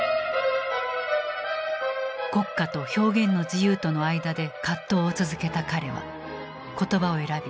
国家と表現の自由との間で葛藤を続けた彼は言葉を選び